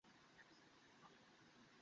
আমার কাছে এখন কিছুই নেই।